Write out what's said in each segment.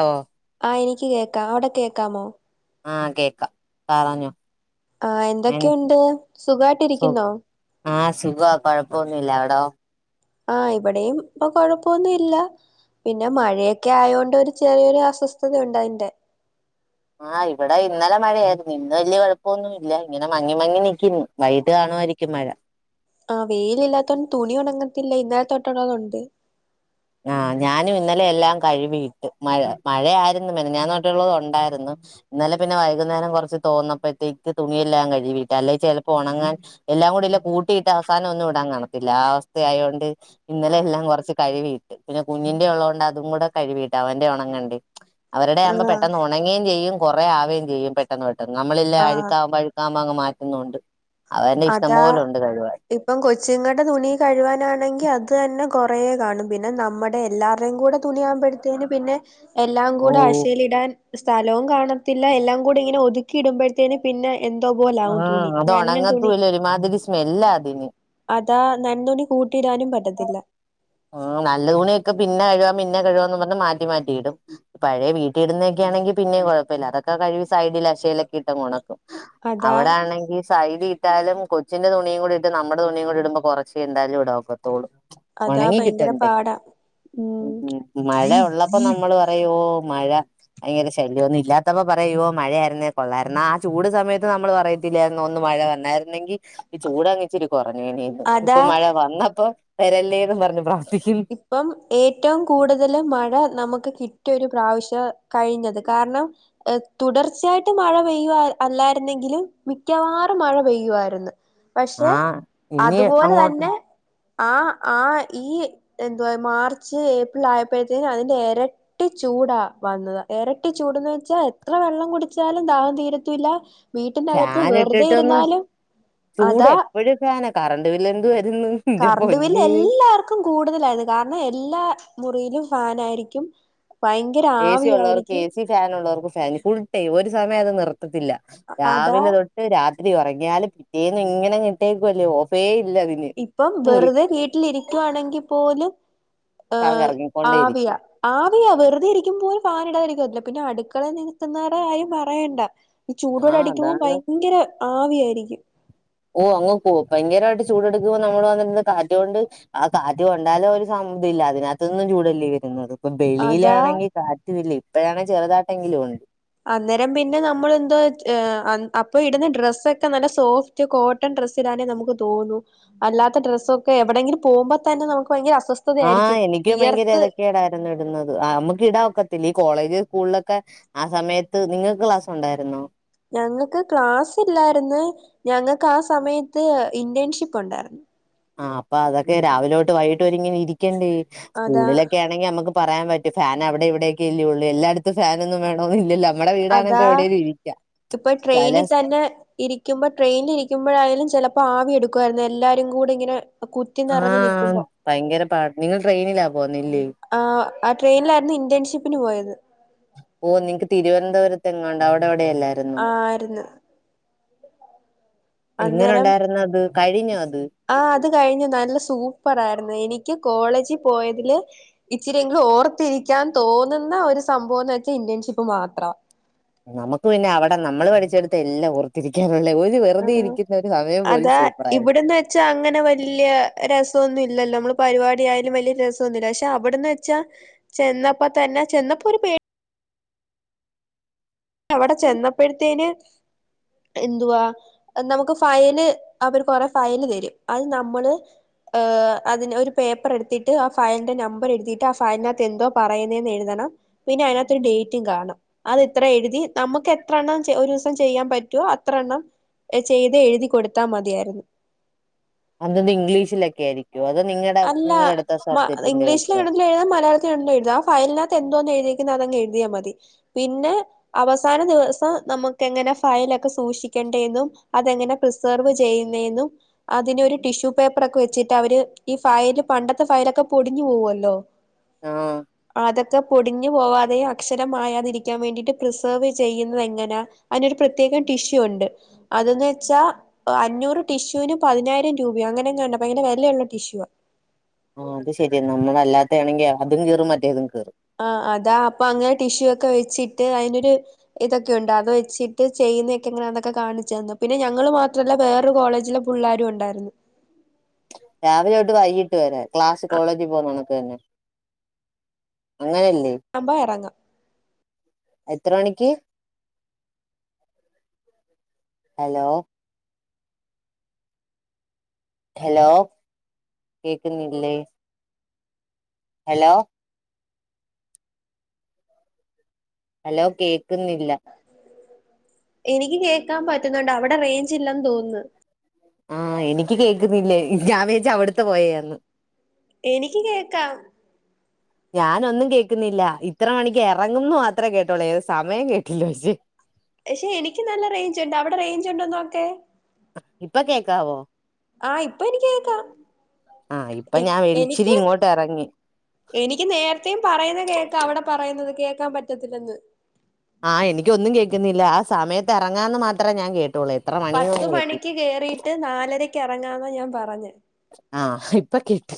അ ഓ ആഹ് എനിക്ക് കേക്കാം അവിടെ കേക്കാമോ ആ കേക്ക പറഞ്ഞോ ആ എൻ എന്തൊക്കെണ്ട് സുഖായ്ട്ടിരിക്കുന്നോ? ആ സുഖവാ കൊഴപ്പൊന്നുല്ല അവിടോ ആ ഇവിടെയും പ്പം കൊഴപ്പൊന്നു ഇല്ല പിന്നെ മഴയൊക്കെ ആയോണ്ട് ഒര് ചെറിയൊര് അസ്വസ്ഥയുണ്ട് ഇണ്ട് അതിൻ്റെ ആ ഇവിടെ ഇന്നലെ മഴയായിരുന്നു ഇന്ന് വല്ല്യ കൊഴപ്പൊന്നു ഇല്ല ങ്ങനെ മങ്ങി മങ്ങി ന്നിക്കുന്നു വൈകിട്ട് കാണ ആയിരിക്കും മഴ ആ വേയ്ല് ഇല്ലാത്തോണ്ട് തുണി ഒണങ്ങത്തില്ല ഇന്നല തൊട്ടുള്ളത് ഉണ്ട് ആ ഞാനും ഇന്നലെ എല്ലാം കഴുകിയിട്ട് മഴ മഴ ആയിരുന്നു മിൻഞാന്ന് തോട്ടുള്ളത് ഒണ്ടായ്രുന്നു ഇന്നലെ പിന്നെ വൈകുന്നേരം കൊർച്ച് തോർന്നപ്പഴത്തേക്ക് തുണിയെല്ലാം കഴുകി ഇട്ട് അല്ലെ ചെൽപ്പം ഒണങ്ങാൻ [unintelligible] എല്ലാം കൂടി ല്ലം കൂട്ടിയിട്ട് അവസാനം ഒന്നും ഇടാൻ കാണത്തില്ല ആ അവസ്ഥ ആയോണ്ട് ഇന്നലെ എല്ലാം കൊറച്ച് കഴുകി ഇ ട്ട് പിന്നെ കുഞ്ഞിന്റെ ഒള്ളോണ്ട് അതും കൂടെ കഴുവീട്ടാ അവന്റെ ഒണങണ്ടെ അവരുടെ ആവുമ്പം ആഹ് പെട്ടെന്ന് ഒണങ്ങേം ചെയ്യും കൊറേ ആവേം ചെയ്യും പെട്ടെന്ന് പെട്ടെന്ന് നമ്മളില്ലേ ആഹ് അഴുക്കാവ്മ്പോ അഴുക്കാം മാങ്ങ് മാറ്റുന്നുണ്ട് അവന്റെ ഇഷ്ടം അതാ പോലുണ്ട് കഴുകാൻ ഇപ്പം കൊച്ചുങ്ങടെ തുണി കഴുകാനാണെങ്കി അത് തെന്നെ കൊറേ കാണും പിന്നെ ന്നമ്മടെ എല്ലാരെം കൂടെ തുണി ആഉമ്പോഴ്ത്തേന് പിന്നെ എല്ലാം ഓ കൂടെ ആശേല് ഇടാൻ സ്ഥലവും കാണത്തില്ല എല്ലാം കൂടി ങ്ങിനെ ഒതുക്കി ഇടുമ്പോഴ്ത്തേന് പിന്നെ എന്തോപോലെ ആവും തുണി കാര്ണം തുണി മാതിരി സ്മെല്ലാ അതിന് അതാ നന്തുണി കൂ ആ നല്ലതുണിക്കെ പിന്നെ കഴുക പിന്നെ കഴ മാറ്റി മാറ്റിയിടും പഴയ വീട്ടിടുന്നെ ഒക്കെ ആണെങ്കി പിന്നേം കുഴപ്പം ഇല്ല അതൊക്കെ കഴുകി സൈഡിൽ അശേൽ ഒക്കെ ഇട്ട് അങ്ങ് ഓണാക്കും അതാ അവിടെ ആണെങ്കിൽ സൈടീ ഇട്ടാലും കൊച്ചിന്റെ തുണിയും കൂടി ഇട്ട് നമ്മുടെ തുണിയും കൂടി ഇടുമ്പോൾ കുറച്ചേ എന്താലും ഇടക്കത്തോള്ളു അതാ ഭയങ്കര ഉണങ്ങിക്കിട്ടണ്ടേ പാടാ ഉം മഴ ഉള്ളപ്പോൾ നമ്മള് പറയും ഓ മഴ ഭയങ്കര ശല്യംഒന്നും ഇല്ലാത്തപ്പോ പറയുവോ മഴയായിരുന്നേ കൊള്ളായിരുന്ന ആ ചൂട് സമയത്ത് നമ്മള് പറയും [unintelligible] യിരുന്നു ഒന്ന് മഴ വന്നായിരുന്നെങ്കിൽ ഈ ചൂടങ്ങ്ഇച്ചിരി കുറഞ്ഞണീന്ന് ഇപ്പൊ അതാ മഴ വന്നപ്പോ വരല്ലേന്ന് പറഞ്ഞ് പ്ര ഇപ്പം ഏറ്റവും കൂടുതല് മഴ നമുക്ക് കിട്ടിയരു ഇ പ്രാവശ്യം കഴിഞ്ഞത് കാരണം തുടർച്ചയായിട്ട് മഴ പെയ്യു അല്ലായിരുന്നെങ്കിലും മിക്കവാറും മഴ പെയ്യുആയിരുന്നു പക്ഷെ ആഹ് ഇനി അതുപോലെ അങ്ങോട്ട് തന്നെ ആ ആ ഈ എന്തുവാ മാർച്ച് ഏപ്രിൽ ആയപ്പോഴത്തേക്കും അതിന്റെ ഇരട്ടി ചൂടാ വന്നത് ഇരട്ടി ചൂട് ചൂടന്ന് വെച്ചാ എത്ര വെള്ളം കുടിചാലും ദാഹം തീരത്തൂല്ല വീട്ടിനകത്ത് ഫാൻ വെറുതെ ഇട്ടിട്ടൊന്നും ഇരുന്നാലും ചൂട് അതാ എപ്പോഴും ഫാന കറണ്ട് ബില്ല് എന്ത് വരുന്നു എന്റെ കറണ്ട് ബില്ല് പൊന്നേ എല്ലാർക്കും [unintelligible] കാരണം എല്ലാം മുറിയിലും ഫാൻ ആയിരിക്കും ഏ സി ഉള്ളവർക്ക് ഏ സി ഫാൻ ഉള്ളവർക്ക് ഫാൻ ഫുൾ ടൈം ഒരു സമയം അത് നിർത്തത്തില്ല അതാ രാവിലെ തൊട്ട് രാത്രി അ ഉറങ്ങിയാല് പിറ്റേന്നും ഇങ്ങനെ കിട്ടേക്കല്ലേ ഓഫേ ഇല്ല അതിന് ഇപ്പം മുറിക്ക് വെറുതെ വീട്ടിലിരിക്കുയാണെങ്കിൽ പോലും ആ ഫാൻ കറങ്ങിക്കൊണ്ടേ ആവിയ ഇരിക്കും ആവിയ വെറുതെ ഇരിക്കുമ പോലും ഫാന് [unintelligible] പിന്നെ അടുക്കള നിൽക്കുന്നവരുടെ കാര്യം പറയണ്ട ചൂടോടെ ആഹ് അടിക്കുമ്പോൾ അതാണ് ഭയങ്കര ആവിയായിരിക്കും ഓ അങ്ങ് ഭയങ്കരമായിട്ട് ചൂട്ടുക്കുമ്പോ നമ്മള് വന്നിരുന്ന കാറ്റൊണ്ട് ആ കാറ്റ് കൊൊണ്ടാല ഒരു ഇല്ല അതിനകതൊന്നും ചൂടല്ലി വരുന്നത് ഇപ്പം അതാ വെളിയിലാണെങ്കിൽ കാറ്റുംല്ല ഇപ്പഴാണെ ചെറുതാട്ടെങ്കിലും ഉണ്ട് അന്നേരം പിന്നെ നമ്മൾ എന്തോ അപ്പൊ ഇടുന്ന ഡ്രസ്സൊക്കെ നല്ല സോഫ്റ്റ് കോട്ടൺ ഡ്രസ് ഇടാനേ നമുക്ക് തോന്നു അല്ലാത്ത ഡ്രസ്സ് ഒക്കെ എവിടെങ്കിലും പോകുമ്പോ തന്നെ നമു ആ എനിക്കും ഭയങ്കര ഏതൊക്കെ ടായിരുന്നു ഇടുന്നത് നമ്മുക്ക് ഇടാൻ ഒ ക്കത്തില്ല ഈ കോളേജ് സ്കൂളിലൊക്കെ ആ സമയത്ത് നിങ്ങൾക്ക് ക്ലാസ്സ് ഉണ്ടായിരുന്നൊ ഞങ്ങൾക്ക് ക്ലാസ് ഇല്ലായിന്ന് ഞങ്ങൾക്ക് ആ സമയത്ത് ഇൻറ്റേണ് ഷിപ്പ് ഉണ്ടായിരുന്നു ആഅപ്പൊ അതൊക്കെ രാവിലോട്ട് വൈകിട്ട്ഇങ്ങനെ ഇരിക്കണ്ടേ അതാ സ്കൂളിലൊക്കെ ആണെങ്കി നമുക്ക് പറയാൻ പറ്റും ഫാൻ അവിടെ ഇവിയൊക്കെ ഇല്ലേ ഉള്ളൂ എല്ലായിടത്തും ഫാനൊന്നും വേണോ ന്നും ഇല്ലല്ലേ നമ്മുടെ വീടാണെപ്പോ അതാ എവിടേലും ഇരിക്കാം ഇപ്പൊ ചില ട്രെയിനിൽ തന്നെ ഇരിക്കുമ്പോ ട്രെയിനിൽ ഇരിക്കുമ്പോഴായാലും ചിലപ്പോ ആവി എടുക്കും ക്കായിരുന്നു എല്ലാരും കൂടി ഇങ്ങനെ കുത്തി ആ നിറഞ്ഞു നിക്കുമ്പോ ഭയങ്കര പാട നിങ്ങൾ ട്രെയിനിലാ പോന്നല്ലേ ആ ആ ട്രെയിനിലായിരുന്നു ഇന്റേൺഷിപ്പിന് പോയത് തെഗാണ്ട് അവിടെടെ ആ ആയിരുന്നു എങ്ങനെ ഉണ്ടായിരുന്ന അത് കഴിഞ്ഞ അത ആ അത് കഴിഞ്ഞു നല്ല സൂപ്പർ ആയിരുന്നു എനിക്ക് കോളേജിൽ പോയതില് ഇച്ചിരിയെങ്കിലും ഓർത്തിരിക്കാൻ തോന്നുന്ന ഒരു സംഭവം എന്ന് വെച്ചാൽ ഇന്റേൺഷിപ്പ് മാത്രം ത്ര നമുക്ക് പിന്നെ അവിടെ നമ്മള് പഠിച്ചെടുത്ത് എല്ലാം ഓർത്തിരിക്കണം ആ അതാ സൂപ്പറായിരുന്നു ഇവിടെന്ന് വെച്ചാ അങ്ങനെ വലിയ രസാ രൊന്നല്ലല്ലോ നമ്മള് പരിപാടിയായാലും വലിയ രസമൊന്നുംല്ല പക്ഷെ അവിടെന്ന് വെച്ചാൽ ചെന്നപ്പോ തന്നെ ചെ പ്പൊരു പേ അവടെ ചെന്നപ്പോഴത്തേന് എന്തുവാ നമുക്ക് ഫയല് അവര് കൊറെ ഫയല് തരും അയ് നമ്മള് ഹ് അതിന് ഒരു പേപ്പർ എടുത്തിട്ട് ആ ഫയലിന്റെ നമ്പർ എഴുത്തിട്ടാ ഫയലിനകത്ത് എന്തോ പറയുന്നേന്നെഴുതണം ണ പിന്നയ്നകത്തൊരു ഡേറ്റും കാണും. അത് ത്ര എഴു നമ്മുക്കെ ത്രണ്ണം ഒരൂസം ചെയ്യാൻ പറ്റോ അത്രണ്ണം ചെയ്തെ എഴുതി കൊടുത്താ മതിയായിരുന്നു അതന്ത്‌ ഇംഗ്ലീഷിലൊക്കെ ആയിരി അല്ല മ വെച്ചോ ഇംഗ്ലീഷിലേണെങ്കി ഴുതാ മലയാളത്തിലലും എുത ആ ഫയലിനകത്ത് എന്തോന്ന് എഴുതി പിന്നതങ്ങ് എഴുതിയാ മതി പിന്നെ അവസാന ദിവസം നമ്മുക്കെങ്ങനെ ഫയലൊക്കെ സൂക്ഷിക്ക ണ്ടെ ന്നും അതെങ്ങനെ പ്രസർവ് ചെയ്യുന്നെന്നും അതിനൊരു ടിഷ്യൂ പേപ്പറൊക്കെ വെച്ചിട്ടവര് ഈ ഫയല് പണ്ടത്തെ ഫയലൊക്കെ പൊടിഞ്ഞു പോവല്ലോ ആഹ് അതൊക്കെ പൊടി ടിഞ്ഞു പോവാതെയു അക്ഷരമായയാതിരിക്കാൻ വേണ്ടിട്ട് പ്രിസർവ് ചെയ്യുന്നത് എങ്ങനാ അതിനൊരു പ്രത്യേകം ടിഷ് ഷ്യു ണ്ട് അത് ന്നെച്ചാ അഞ്ഞൂറ് ടിഷ്യൂന് പതിനായിരം രൂപയോ അങ്ങനെങ്ങാണ്ട ഭയങ്കര വെലള്ള ടിഷ്യൂ ഇവ ആ അത് ശരിയ നമ്മളല്ലാത്ത ആണെങ്കി അതും കീറും മറ്റേതും കീ ആ അതാ അപ്പൊ അങ്ങനെ ടിഷ്യൂ ക്കെ വെച്ചിട്ട് അയ്നൊര് ഇതൊക്കെയുണ്ട് അത് വെച്ചിട്ട് ചെയ്യുന്നൊക്കെങ്ങനാണ് ന്നൊക്കെ കാണിച്ചന്നു പിന്നെ ഞങ്ങ ങ്ങൾ മാത്രല്ല വേറൊരു കോളേജിലെ പുള്ളേരുണ്ടായിരുന്നു രാവിലൊട്ട് വൈകീട്ട് വരെ ക്ലാസ് കോളേജി പോവ്ന്നന്നൊക്കെന്നെ. അമ്പ എറങ്ങാ എത്ര മണിക്ക് ഹലോ ഹലോ കേക്ക്ന്നില്ലേ ഹലോ ഹലോ കേക്ക്ന്നില്ല എനിക്ക് കേക്കാൻ പറ്റ്ന്നുണ്ട് അവിടെ റേഞ്ച് ഇല്ലന്ന് തോന്ന്ന്നു ആ എനിക്ക് കേക്കുന്നില്ലേ ഞാൻ വേച് അവ്ട്ത്തെ പോയേന്ന് എനിക്ക് കേക്കാം ഞാനൊന്നും കേക്ക്ന്നില്ല ഇത്ര മണിക്ക് എറങ്ങുംന്ന് മാത്രേ കേട്ടൊള്ളേ ഏത് സമയം കേട്ടില്ല ഷെ പക്ഷെ എനിക്ക് നല്ല റേഞ്ച് ണ്ട് അവിടെ റേഞ്ച് ഉണ്ടോനോക്കെ അ ഇപ്പൊ കേക്കാവോ ആ ഇപ്പൊ എനിക്ക് കേക്കാ ആ ഇപ്പൊ ഞാൻ വെളിച്ചിരിങ്ങോട്ടെറങ്ങി എനിക്ക് നേരത്തെയും പറയുന്ന കേക്കാ അവിടെ പറയുന്നത് കേക്കാൻ പറ്റത്തില്ലെന്ന് ആ എനിക്കൊന്നും കേക്കുന്നില്ല ആ സമയത്ത് എറങ്ങാന്ന് മാത്രേ ഞാൻ കേ പത്ത് മണിക്ക് കേറിയിട്ട് നാലരക്കെറങ്ങാന്ന ഞാൻ പറഞ്ഞേ ആ ഇപ്പൊ കേട്ട്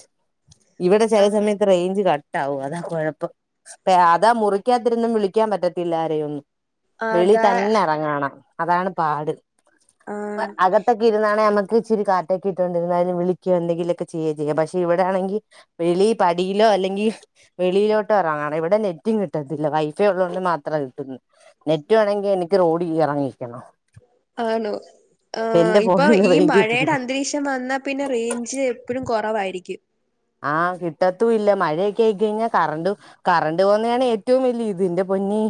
ഇവിടെ ചെല ആഹ് സമയത്ത് റേഞ്ച് ക ട്ടാവും അതാ കുഴപ്പം അതാ മുറിക്കാത്തിരുന്നും വിളിക്കാൻ പറ്റത്തില്ല ആരെയൊന്നും വെളീ അതാ തന്നെ എറങ്ങണം അതാ പാട്. ആഹ് അകത്തൊക്കെ ഇരുന്നാണെ ഞമ്മക്ക് ച്ചിരി കാറ്റൊക്കെ ട്ടോണ്ടിര്ന്നയ്ൻ വിളി ക്ക്യോ ന്തെങ്കിലൊക്കെ ചെയ്യ ചെയ്യാം പക്ഷെ ഇവിടാണെങ്കി വെളി പടിയിലോ അല്ലെങ്കി വെളിയിലോട്ടോ എറങ്ങ ഇവിടെ നെറ്റും കിട്ടത്തില്ല വൈഫൈ ഉള്ളോണ്ട് മാത്ര കിട്ടുന്നു. നെറ്റ് വേണങ്കി ഇന്ക്ക് റോഡിഇറങ്ങിക്കണം. ആണോ ആ ഇപ്പൊ ഫോണിൽ ഈ റേഞ്ച് കിട്ടുന്നു മഴയുടെ അന്തരീക്ഷം വന്നാ പിന്നെ റേഞ്ച് എപ്പഴും കുറവായിരിക്കും ആ കിട്ടത്തും ഇല്ല മഴയൊക്കാ യിക്കഴിഞ്ഞാൽ കറണ്ട് കറണ്ട് പോന്നാണേ ഏറ്റവും വല്ല്യ ഇത് ന്റെ പൊൻ നി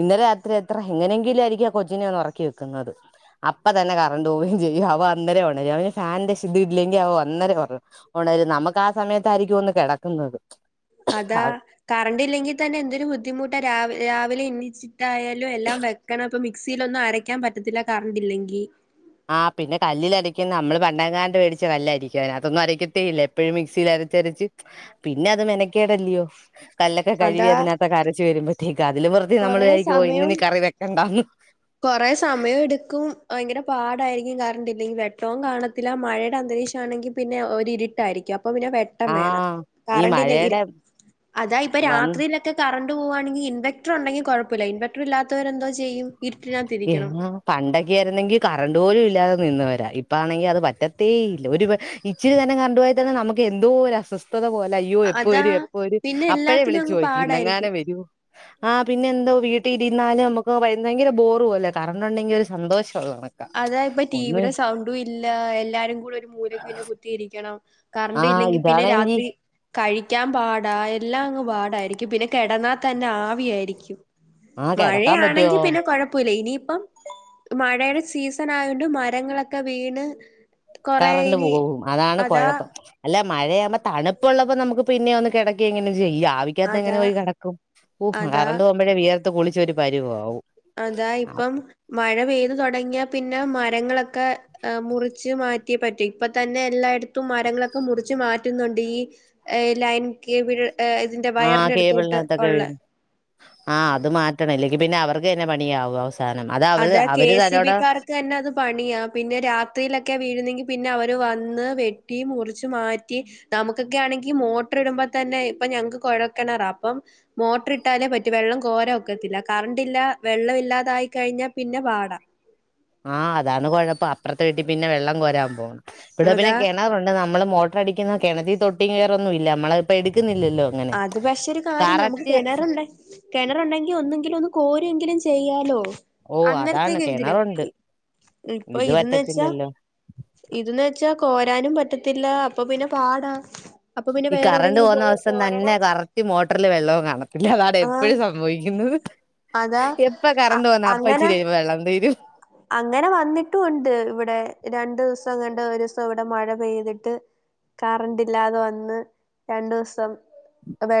ഇന്നലെ രാത്രി എത്ര എങ്ങനെങ്കിലും എനിക്കാ കൊച്ചിനൊന്ന് ഒറക്കി വെക്കുന്നത്. അപ്പ തന്നെ കറണ്ട് പോവേം ചെയ്യും അവ അന്നേരേ ഒണരും അവന് ഫാൻന്റെ ഷ്ദ്ഇല്ലെങ്കിൽ അവ അന്നേരേ ഒണ ഒ തായാലും നമ്മക്കാ സമയത്തായിരിക്കും ഒന്ന് കെടക്കുന്നത് അതാ കറണ്ട് ഇല്ലെങ്കിൽ തന്നെ എന്തൊരു ബുദ്ധിമുട്ടാ രാവ രാവിലെ എ എന്തായാലും എല്ലാം വെക്കണം അപ്പ മിക്സിയിൽ ഒന്നും അരക്കാൻ പറ്റത്തില്ല കറണ്ട്ല്ലെങ്കിൽ ആ പിന്നെ കല്ലിൽ അടക്കുന്ന നമ്മള് പണ്ടങ്കാണ്ട് വേടിച്ച കല് അരിക്കും അതിനാത്തൊന്നും അരക്കത്തെ ഇല്ല എപ്പോഴും മിക്സിൽ അരച്ച് അരച്ച് പിന്നെ അത് മെനക്കേടല്ലയോ കല്ലൊക്കെ കഴുവി അതാ അതിനകത്തൊക്കെ അരച്ച് വരുമ്പോൾ അതില് വെറുതെ നമ്മള് കൊറേ വിചാരിക്കുവൊ ഇന്ന് ഇനി കറി വെക്കണ്ടന്ന് കൊറെ സമയം എടുക്കും ഭയങ്കര പാടായിരിക്കും കാറണ്ടില്ലെങ്കി വെട്ടം കാണല്ല മഴയുടെ അന്തരീക്ഷം ആണെങ്കിൽ പിന്നെ ഒരിരിട്ടായിരിക്കും അ ഒരു വെട്ടം വേണം ആഹ് ഈ കറണ്ട് ഇല്ലെങ്കിൽ മഴയുടെ അതാ ഇപ്പ വന്ന് രാത്രിയിലൊക്കെ കറണ്ട് കറണ്ട് പോവാണെങ്കിൽ ഇൻവെർട്ടർ ഉണ്ടെിൽ കൊഴപ്പല്ല ഇൻവെർട്ടർ ഇല്ലാത്തവരെന്തോ ചെയ്യും ഇരുട്ടിനകത്തിരിക്കണം പണ്ടൊക്കെ ആരുന്നെങ്കി കറണ്ട് പോലും ഇല്ലാത നിന്ന് വരാം ഇപ്പാണെങ്കിൽ അത് പറ്റത്തേ ഇല്ല ഒരു ഇച്ചിരി നേരം കറണ്ടുപോയൽ തന്നെ നമുക്ക് എന്തോ അസ്വസ്ഥ അസ്വസ്ഥത പോല അയ്യോ എപ്പ അതാ വരും എപ്പ വരും പിന്നെ അപ്പഴെ എല്ലാത്തിനും വിളിച്ചു അങ്ങ് ചോയിക്കും പാടായിരിക്കും ഇന്നങ്ങാനം വരൂ ആഹ പിന്നെ എന്തോ വീട്ട വീട്ടി ഇരുന്നാലും നമുക്ക് ഭയ ഭയങ്കര ബോറുപോല്ല കറണ്ട് ഉണ്ടെങ്കി ഒരു സന്തോഷം അതാ ഇപ്പ ടിവിയുടെ സൗണ്ടും ഇല്ല എല്ലാരും കൂടെ ഒരു മൂലക്ക് തന്നെ കുത്തിയിരിക്കണം കറണ്ട് ആഹ് ഇല്ലെങ്കിൽ പിന്നെ ഇതാണെങ്കി രാത്രി കഴിക്കാൻ പാടാ എല്ലാം അങ്ങ് പാടായിരിക്കും പിന്നെ കിടന്നാ തന്നെ ആവിയായിരിക്കും ആഹ് കിടക്കാൻ മഴയാണെങ്കി പറ്റുവോ പിന്നെ കൊഴപ്പമില്ല ഇനി ഇപ്പം മഴേടെ സീസൺ ആയോണ്ട് മരങ്ങളൊക്കെ വീണ് കൊറേ കറണ്ട് ഇനി പോകും അതാണ് അതാ കൊഴപ്പം അല്ല മഴയാമ്പം തണുപ്പ് ഉള്ളപ്പോ നമുക്ക് പിന്നെ ഒന്ന് കെടക്കേങ്കിലും ചെയ്യാ ഈ ആവിക്കാത്ത് എങ്ങനെ അതാ പോയി കെടക്കും ഊഫ് അതാ കറണ്ട് പോമ്പോഴേ വിയർ അതാ ഇപ്പം മഴ പെയ്ത് തൊടങ്ങിയ പിന്നെ മരങ്ങളൊക്കെ മുറിച്ച് മാറ്റിയേ പറ്റും ഇപ്പ തന്നെ എല്ലായിടത്തും മരങ്ങളൊക്കെ മുറിച്ച് മാറ്റുന്നുണ്ട് ഈ ലൈൻ കേബിള് ഇതിന്റെ ആ വയറിന്റെ അടുത്തോട്ട് കേബിളിനകത്തൊക്കെ ഒള്ള വീണ് ആ അത് മാറ്റണം ഇല്ലെങ്കി പിന്നെ അവർക്കെന്നെ പണിയാവും അവസ് അതാ കെ സി ബിക്കാർക്കെന്നെ അത് പണിയാ പിന്നെ രാത്രീലൊക്കെ വീഴുന്നെങ്കി പിന്നെ അവ ര് വന്ന് വെട്ടി മുറിച്ചുമാറ്റി നമുക്കൊക്ക്യാണെങ്കി മോട്ടർ ഇടുമ്പം തന്നെ ഇപ്പോ ഞങ്ങ്ക്ക് കൊ ഴൽ കെണറ അപ്പം മോട്ട്ർ ഇട്ടാലേ പറ്റു വെള്ളം കോരാൻ ഒക്കത്തില്ല കറണ്ടില്ല വെള്ളൊവില്ലാതായി കഴിഞ്ഞ പിന്നെ പാട ആ അതാണ് കൊഴപ്പം അപ്പ്രത്തെ വീട്ടിൽ പിന്നെ വെള്ളം കൊരാൻ പോണം ഇവിടെ പിന്നെ അതാ കെണറൊണ്ട് നമ്മള് മോട്ടർ അടിക്കുന്ന കെണറ്റീ തൊട്ടി കയറൊന്നും ഇല്ല നമ്മള് ഇപ്പ എട്ക്ക്ന്നി അത് പക്ഷെ ഒരു കാര്യം നമുക്ക് കിണറുണ്ട് കിണറുണ്ടെങ്കിൽ ഒന്നങ്കിലും ഒന്ന് കോരി കോരി എങ്കിലും ചെയ്യാലോ ഓ അതാണ് അന്നേര്ത്തേക്കെങ്കിലും കിണറുണ്ട് ഇപ്പൊ ഇത് ഇതന്ന് വെച്ചാ പറ്റത്തില്ലല്ലോ ഇതിന്ന് വെച്ചാൽ കോരാനും പറ്റ ത്തില്ല അപ്പൊ പിന്നെ പാടാ അപ്പൊ പിന്നെ വേറെ എവിടെങ്കിലും പോയി അപ്പം തന്നെ കോരണം കറക്റ്റ് മോട്ടർല് വെള്ളോം കാണത്തില്ല അതാണ് ആഹ് എപ്പഴും സംഭവിക്കുന്നത് അതാ എപ്പ കറണ്ട് പോന്ന അങ്ങനെ അപ്പാച്ചിരികഴിയുമ്പം വെള്ളം തീരും അങ്ങനെ വന്നിട്ടും ഒണ്ട് ഇവിടെ രണ്ടു ദിവസം എങ്ങാണ്ട് ഒരൂസം ഇവിടെ മഴ പെയ്തിട്ട് കറണ്ട് ഇല്ലാതെ വന്ന് രണ്ടു ദിവസം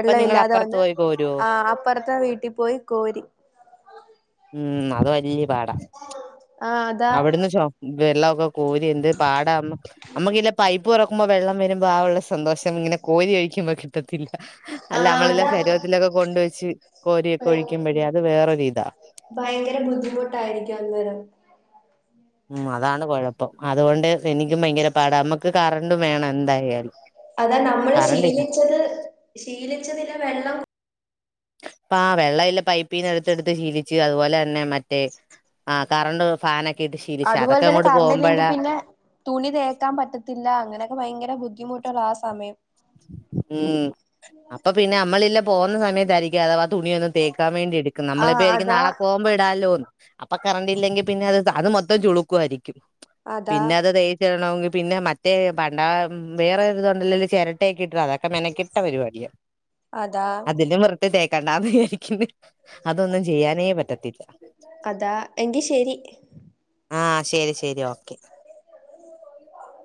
അപ്പൊ നിങ്ങൾ അപ്പുറത്ത് വന്ന് പോയി കോരുവോ ആ അപ്പർത്തെ വീട്ടിപോയി കോരി ഉം അത് വല്ല്യ ആ അതാ വെള്ളൊക്കെ കോരി എന്ത് പാടാ നമ്മുക്ക്ല്ലെ പൈപ്പ് തൊറ ക്കുമ്പം വെള്ളം വരുമ്പം ആ ഉള്ള സന്തോഷം ഇങ്ങനെ കോരി ഒയ്ക്കുമ്പ കിട്ട അല്ല ആഹ് നമ്മളെല്ലാം അതാ ചെരുവത്തിലൊക്കെ കൊണ്ട് വെച്ച് കോരിയൊക്കെ ഒഴിക്കുമ്പോഴേ അത് വേറൊരിതാ ഭയ്ങ്കര ബുദ്ധിമുട്ടായിരിക്കും അന്നേരം ഉം അതാണ് കൊഴപ്പം അതുകൊണ്ട് എനിക്കും ഭയ്ങ്കര അമ്മക്ക് കറണ്ടും വേണം എന്തായാലും അതാ നമ്മള് കറണ്ടില്ല ശീലിച്ചത് ശീലിച്ചതിലെ വെള്ളം [inaudible] ആ വെള്ളവില്ലാ പൈപ്പീന്ന് എടുത്ത് എടുത്ത് ശീലിച്ച്. അത് പോലെന്നെ മറ്റെ ആ കറണ്ട് ഫാനെ അതുപോലെ തന്നെ അത്പോലെ അത് പോൽതന്നെ കറണ്ടില്ലെങ്കി പിന്നെ തുണി തേക്കാൻ പറ്റത്തില്ല. അങ്ങനെക്കെ ഭയ്ങ്കര ബുദ്ധ് ദ്ധിമട്ടുള്ള ആ സമയം ഉം അപ്പൊ പിന്നെ നമ്മളില്ല പോകുന്ന സമയത്തായിരിക്കും അഥവാ തുണി ഒന്ന് തേക്കാ വേണ്ടി എടുക്കുന്നെ ആഹ് നമ്മളിപ്പോരിക്കും അതാ നാളെ പോമ്പടാല്ലോന്ന് അപ്പൊ കറണ്ട് ഇല്ലെങ്കി പിന്നെ അത് താത് മൊത്തം ചുളുക്കുവാരിക്കും അതാ പിന്നെ അത് തേച്ച് ണൊങ്കി പിന്നെ മറ്റേ പണ്ട വേറെ തൊണ്ടല്ല ചെര ടടക്കിട്ട അതൊക്കെ മെനകെട്ട പരിപാടിയാ അതാ അതില് വൃത്തി തേക്കണ്ടാന്ന് വിചാരിക്കുന്നെ. അതൊന്നും ചെയ്യാനേ പറ്റത്തില്ല. അതാ എങ്കി ശരി ആ. ശരി, ശരി, ഓക്കെ.